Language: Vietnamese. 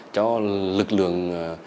cho lực lượng